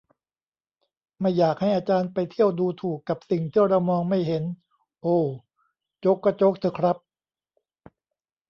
"ไม่อยากให้อาจารย์ไปเที่ยวดูถูกกับสิ่งที่เรามองไม่เห็น" โอว โจ๊กก็โจ๊กเถอะครับ